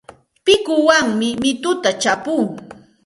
Pikuwanmi mituta chapuu.